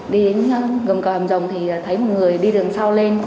đi đến gầm cầu hàm rồng thì thấy một người đi đường sau lên